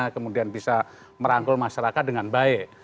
kemudian bisa merangkul masyarakat dengan baik